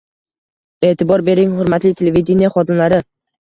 –E’tibor bering, hurmatli televideniye xodimlari!